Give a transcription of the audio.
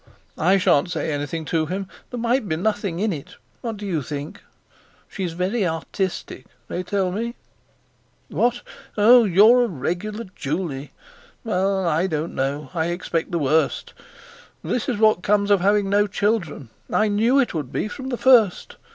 I shan't say anything to him. There might be nothing in it. What do you think? She's very artistic, they tell me. What? Oh, you're a 'regular Juley'! Well, I don't know; I expect the worst. This is what comes of having no children. I knew how it would be from the first.